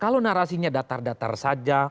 kalau narasinya datar datar saja